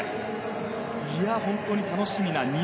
本当に楽しみな